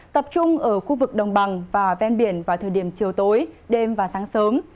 tập trung ở khu vực đồng bằng và ven biển vào thời điểm chiều tối đêm và sáng sớm